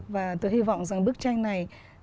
và tôi hy vọng rằng bức tranh này